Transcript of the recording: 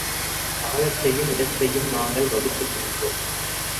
காலத்தையும் இடத்தையும் நாங்கள் வகுத்துக் கொண்டோம்.